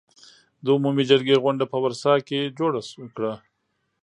د عمومي جرګې غونډه په ورسا کې جوړه کړه.